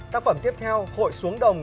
tác phẩm tiếp theo hội xuống đồng